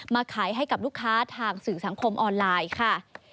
ขายให้กับลูกค้าทางสื่อสังคมออนไลน์ค่ะ